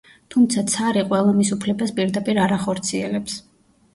თუმცა ცარი ყველა მის უფლებას პირდაპირ არ ახორციელებს.